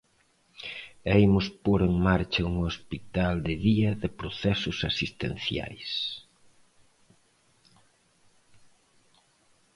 E imos pór en marcha un hospital de día de procesos asistenciais.